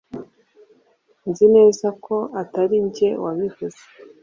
nzi neza ko atari njye wabivuze